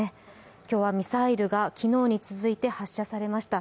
今日はミサイルが昨日に続いて発射されました。